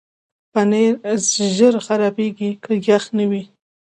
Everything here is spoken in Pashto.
پنېر ژر خرابېږي که یخ نه وي.